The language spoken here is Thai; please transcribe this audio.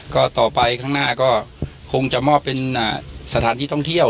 ก็ต่อไปข้างหน้าก็คงจะมอบเป็นสถานที่ท่องเที่ยว